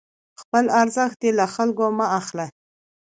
خپل ارزښت دې له خلکو مه اخله،